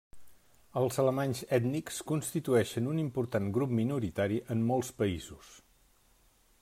Els alemanys ètnics constituïxen un important grup minoritari en molts països.